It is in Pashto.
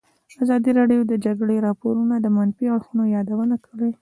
ازادي راډیو د د جګړې راپورونه د منفي اړخونو یادونه کړې.